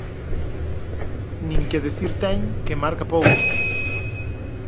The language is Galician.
Nin que dicir ten que marca poucos.